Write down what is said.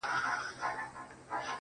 ستا زړه ته خو هر څوک ځي راځي گلي